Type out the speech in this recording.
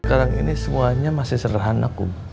sekarang ini semuanya masih sederhanaku